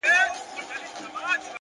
هره ورځ د ځان اصلاح فرصت دی،